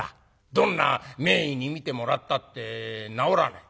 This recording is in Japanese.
どんな名医に診てもらったって治らない。